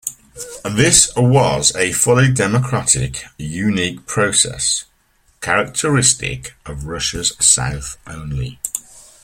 This was a fully democratic, unique process, characteristic of Russia's South only.